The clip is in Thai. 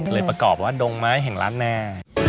เลยประกอบว่าดงไม้แห่งละนา